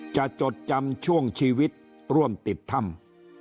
จดจำช่วงชีวิตร่วมติดถ้ำ